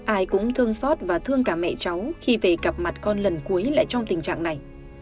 ai cũng thương xót và thương cả mẹ cháu khi về gặp mặt con lần cuối lại trong tình trạng này